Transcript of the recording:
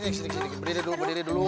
berdiri dulu berdiri dulu